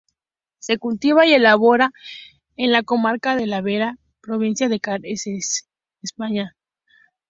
Se cultiva y elabora en la comarca de La Vera, provincia de Cáceres, España.